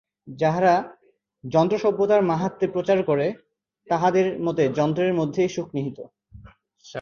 যাহারা যন্ত্রসভ্যতার মাহাত্ম্য প্রচার করে, তাহাদের মতে যন্ত্রের মধ্যেই সুখ নিহিত।